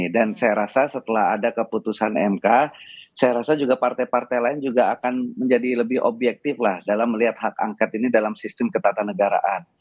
dan saya rasa setelah ada keputusan mk saya rasa juga partai partai lain juga akan menjadi lebih objektif lah dalam melihat hak angket ini dalam sistem ketatanegaraan